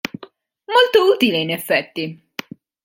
Molto utile in effetti".